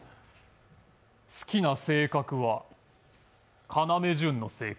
好きな性格は、要潤の性格。